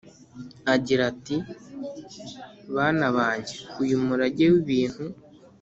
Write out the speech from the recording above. agira ati: “bana bange, uyu murage w’ibintu